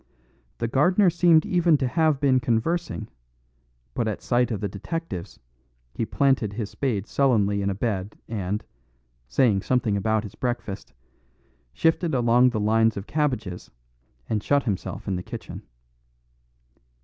The gardener seemed even to have been conversing, but at sight of the detectives he planted his spade sullenly in a bed and, saying something about his breakfast, shifted along the lines of cabbages and shut himself in the kitchen.